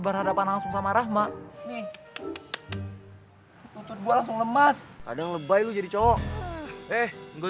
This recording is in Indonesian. berhadapan langsung sama rahma nih tutup gua langsung lemas ada lebay lu jadi cowok eh enggak